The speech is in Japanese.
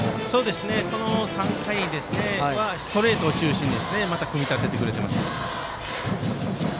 この３回はストレート中心に組み立ててくれています。